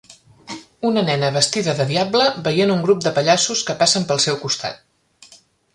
Una nena vestida de diable veient un grup de pallassos que passen pel seu costat.